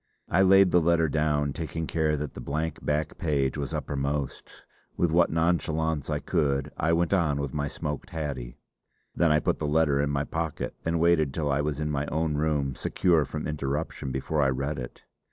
I laid the letter down, taking care that the blank back page was uppermost; with what nonchalance I could I went on with my smoked haddie. Then I put the letter in my pocket and waited till I was in my own room, secure from interruption, before I read it.